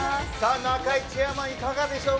中居チェアマンいかがでしょうか。